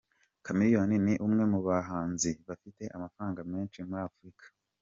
Chameleone ni umwe mu bahanzi bafite amafaranga menshi muri Afurika.